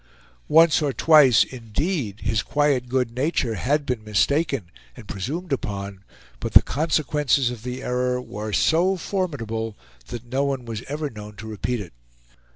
Once or twice, indeed, his quiet good nature had been mistaken and presumed upon, but the consequences of the error were so formidable that no one was ever known to repeat it.